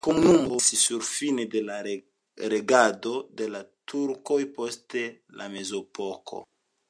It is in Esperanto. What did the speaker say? La komunumo senhomiĝis nur fine de regado de la turkoj post la mezepoko.